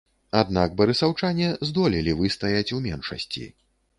Аднак барысаўчане здолелі выстаяць у меншасці.